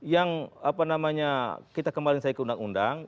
yang apa namanya kita kembaliin ke undang undang